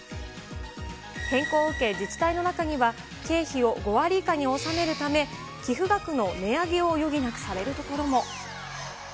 変更を受け、自治体の中には経費を５割以下に収めるため、寄付額の値上げを余儀なくされるところも。